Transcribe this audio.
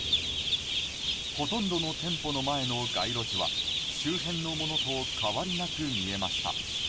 ほとんどの店舗の前の街路樹は周辺のものと変わりなく見えました。